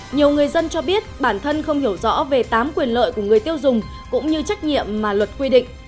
nhiều người dân cho biết bản thân không hiểu rõ về tám quyền lợi của người tiêu dùng cũng như trách nhiệm mà luật quy định